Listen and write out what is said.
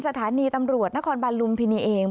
สถานีตำรวจนครบันลุมพินีเอง